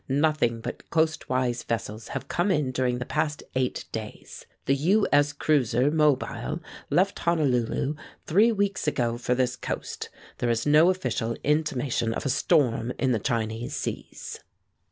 Nothing but coastwise vessels have come in during the past eight days. The U. S. cruiser Mobile left Honolulu three weeks ago for this coast. There is no official intimation of a storm in the Chinese seas."